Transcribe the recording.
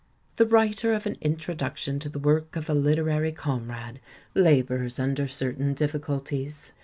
The writer of an introduction to the work of a literary comrade labours under certain difficul ties.